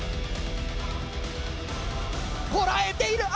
こらえている！